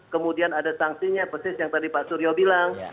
kemudian ada sanksinya persis yang tadi pak suryo bilang